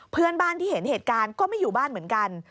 เพื่อนบ้านที่เห็นเหตุการณ์ก็ไม่อยู่บ้านเหมือนกัน